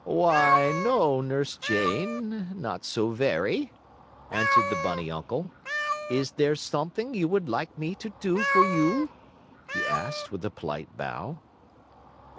"Why, no, Nurse Jane, not so very," answered the bunny uncle. "Is there something you would like me to do for you?" he asked, with a polite bow.